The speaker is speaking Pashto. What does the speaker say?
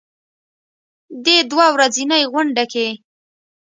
دې دوه ورځنۍ غونډه کې